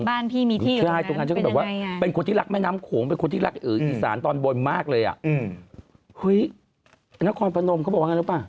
บ้านพี่มีที่อยู่ข้างนั้นไปทั้งนั้น